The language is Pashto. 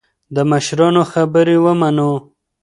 د مشرانو خبرې ومنو.